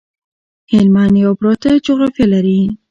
هلمند یو پراته جغرافيه لري